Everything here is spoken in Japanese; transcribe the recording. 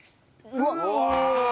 うわ！